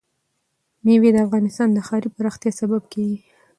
مېوې د افغانستان د ښاري پراختیا سبب کېږي.